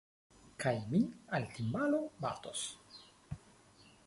Kaj mi al timbalo batos.